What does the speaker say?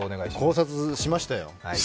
考察しましたよ。